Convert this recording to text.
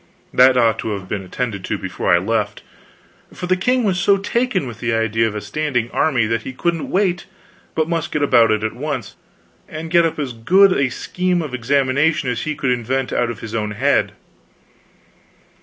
That ought to have been attended to before I left; for the king was so taken with the idea of a standing army that he couldn't wait but must get about it at once, and get up as good a scheme of examination as he could invent out of his own head.